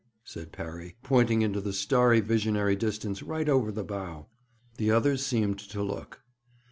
said Parry, pointing into the starry visionary distance, right over the bow. The others seemed to look.